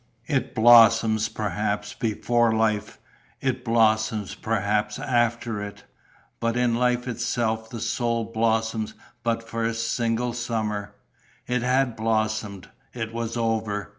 It blossoms perhaps before life, it blossoms perhaps after it; but in life itself the soul blossoms for but a single summer. It had blossomed, it was over!